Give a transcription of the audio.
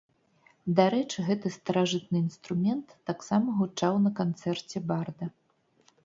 Дарэчы, гэты старажытны інструмент таксама гучаў на канцэрце барда.